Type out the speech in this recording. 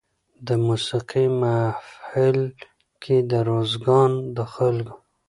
د موسېقۍ محفل کې د روزګان د خلکو